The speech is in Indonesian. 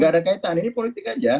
gak ada kaitan ini politik aja